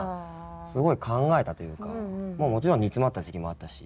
すごい考えたというかもちろん煮詰まった時期もあったし。